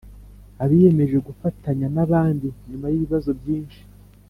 abiyemeje gufatanya n abandi nyuma y ibibazo byinshi